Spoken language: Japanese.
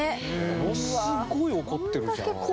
ものすごい怒ってるじゃんって。